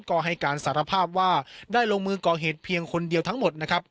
ก็ให้การสารภาพว่าได้ลงมือก่อเหตุเพียงคนเดียวทั้งหมดนะครับ